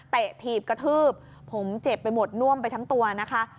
ถีบกระทืบผมเจ็บไปหมดน่วมไปทั้งตัวนะคะ